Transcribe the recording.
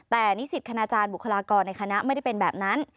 แต่นิสิตคณาจารย์บุคลากรในคณะไม่ได้เป็นแบบนั้น